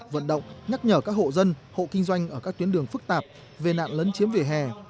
vận động nhắc nhở các hộ dân hộ kinh doanh ở các tuyến đường phức tạp về nạn lấn chiếm vỉa hè